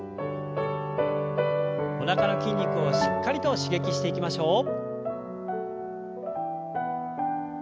おなかの筋肉をしっかりと刺激していきましょう。